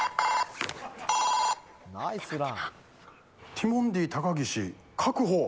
ティモンディ高岸、確保。